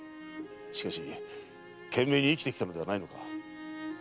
しかし懸命に生きてきたのではないのか？